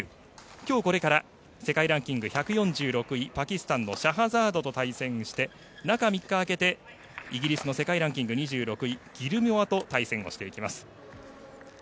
今日これから世界ランキング１４６位パキスタンのシャハザードと対戦して中３日空けてイギリスの世界ランキング２６位ギルモアと対戦をしていきます。